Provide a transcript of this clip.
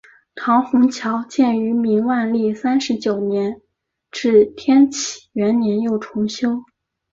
长虹桥建于明万历三十九年至天启元年又重修。